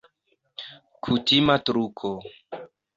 Kutima truko.